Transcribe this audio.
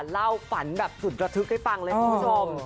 เล่าฝันแบบสุดระทึกให้ฟังเลยคุณผู้ชม